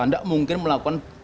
nggak mungkin melakukan